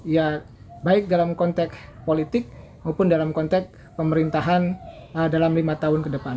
ya baik dalam konteks politik maupun dalam konteks pemerintahan dalam lima tahun ke depan